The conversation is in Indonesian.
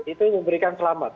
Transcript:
itu memberikan selamat